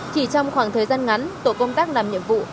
chỉ trong khoảng thời gian ngắn tổ công tác làm nhiệm vụ